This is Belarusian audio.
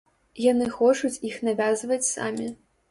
Яны хочуць іх навязваць самі.